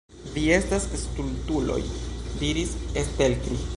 Vi estas stultuloj, diris Stelkri.